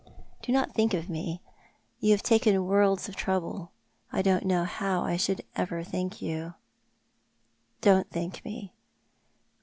" Do not think of me. You have taken worlds of trouble. I don't know how I shall ever thank you." " Don't thank me.